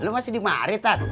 lah lu masih di mari tat